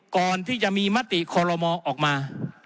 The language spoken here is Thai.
ก่อนที่จะมีมติคอลโลมอออกมา